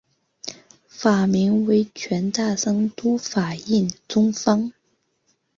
法名为权大僧都法印宗方。